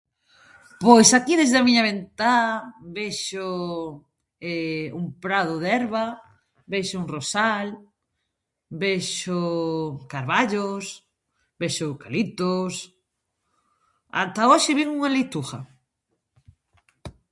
Pois aquí desde a miña ventá vexo un prado de herba, vexo un rosal, vexo carballos, vexo eucaliptos, ata hoxe miro unha leitugha.